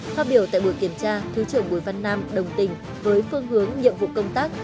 phát biểu tại buổi kiểm tra thứ trưởng bùi văn nam đồng tình với phương hướng nhiệm vụ công tác